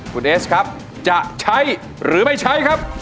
คุณเอสครับจะใช้หรือไม่ใช้ครับ